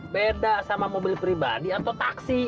beda sama mobil pribadi atau taksi